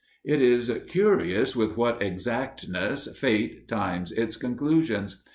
It is curious with what exactness fate times its conclusions.